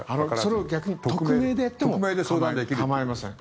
それを逆に匿名でやっても構いません。